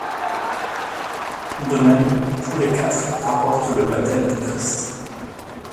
De même, tous les quatre rapportent le Baptême du Christ.